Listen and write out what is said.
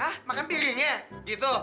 hah makan piringnya gitu